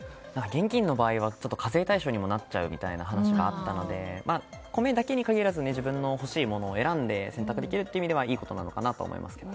現金の場合は、課税対象にもなるという話があったので米だけに限らず自分の欲しいものを選んで選択できるという意味ではいいことなのかなと思います。